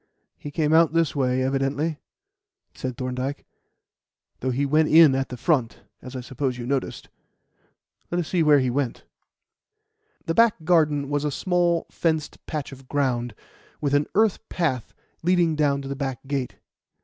"He came out this way, evidently," said Thorndyke, "though he went in at the front, as I suppose you noticed. Let us see where he went." The back garden was a small, fenced patch of ground, with an earth path leading down to the back gate.